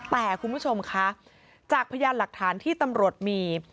แต่คุณผู้ชมคะจากพยานหลักฐานที่ตำรวจมี